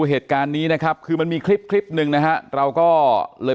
อ๋อเจ้าสีสุข่าวของสิ้นพอได้ด้วย